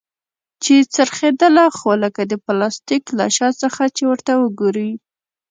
چې څرخېدله خو لکه د پلاستيک له شا څخه چې ورته وگورې.